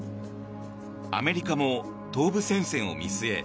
アメリカも東部戦線を見据え